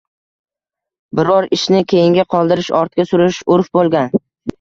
biror ishni keyinga qoldirish, ortga surish urf bo‘lgan.